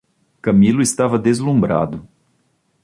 Camilo estava deslumbrado.